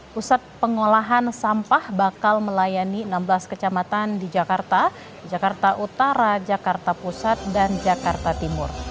pusat pengolahan sampah bakal melayani enam belas kecamatan di jakarta jakarta utara jakarta pusat dan jakarta timur